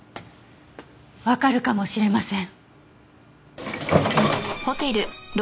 わかるかもしれません。